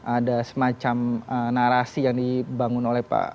ada semacam narasi yang dibangun oleh pak